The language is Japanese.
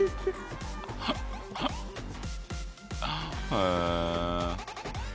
へえ。